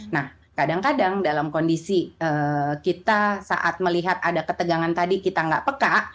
nah kadang kadang dalam kondisi kita saat melihat ada ketegangan tadi kita nggak peka